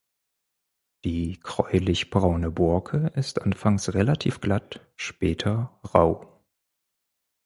Die gräulich-braune Borke ist anfangs relativ glatt später rau.